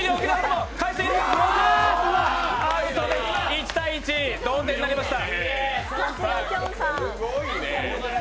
１−１、同点になりました。